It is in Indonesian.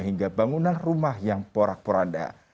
hingga bangunan rumah yang porak poranda